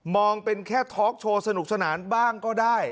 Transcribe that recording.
องเป็นแค่ทอล์กโชว์สนุกสนานบ้างก็ได้